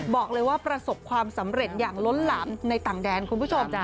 บอกเลยว่าประสบความสำเร็จอย่างล้นหลามในต่างแดนคุณผู้ชม